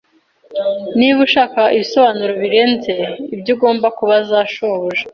Niba ushaka ibisobanuro birenze ibyo, ugomba kubaza shobuja.